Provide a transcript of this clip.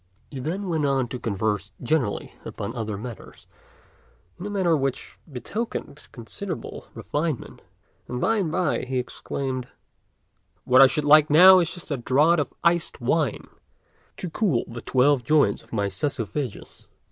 He then went on to converse generally upon other matters, in a manner which betokened considerable refinement; and by and by he exclaimed, "What I should like now is just a draught of iced wine to cool the twelve joints of my œsophagus."